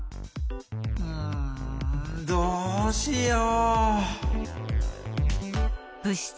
うんどうしよう？